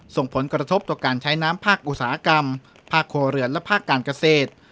ส่งผลกระทบต่อการใช้น้ำภาคอุตสาหกรรมภาคครัวเรือนและภาคการเกษตร